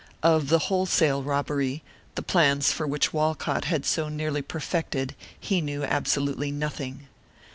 Of the wholesale robbery, the plans for which Walcott had so nearly perfected, he knew absolutely nothing.